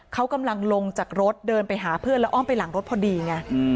เขากำลังลงจากรถเดินไปหาเพื่อนแล้วอ้อมไปหลังรถพอดีไง